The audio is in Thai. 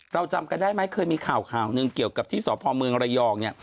เราจำกันได้มั้ยที่ข่าวนึงเกี่ยวกับที่สอพเมืองรยอง